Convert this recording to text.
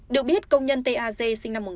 được biết công nhân t a g sinh năm một nghìn